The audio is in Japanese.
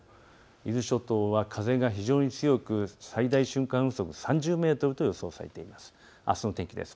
伊豆諸島は非常に風が強く最大瞬間風速３０メートルが予想されています。